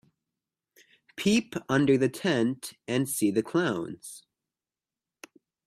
Peep under the tent and see the clowns.